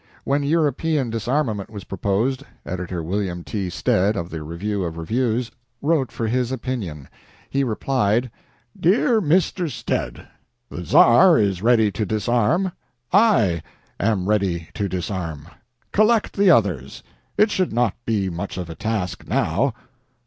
When European disarmament was proposed, Editor William T. Stead, of the "Review of Reviews," wrote for his opinion. He replied: "DEAR MR. STEAD, The Tsar is ready to disarm. I am ready to disarm. Collect the others; it should not be much of a task now.